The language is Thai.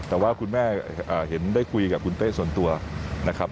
แต่ว่าคุณแม่เห็นได้คุยกับคุณเต้ส่วนตัวนะครับ